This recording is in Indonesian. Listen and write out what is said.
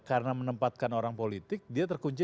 karena menempatkan orang politik dia terkunci